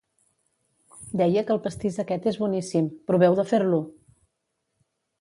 Deia que el pastís aquest és boníssim, proveu de fer-lo!